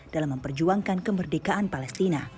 dalam memperjuangkan kemerdekaan palestina